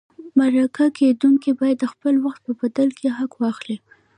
مرکه کېدونکی باید د خپل وخت په بدل کې حق واخلي.